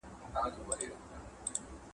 ادبي او ساينسي کتابونه د ذهن پراختیا سبب کیږي.